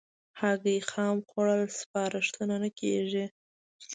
هګۍ خام خوړل سپارښتنه نه کېږي.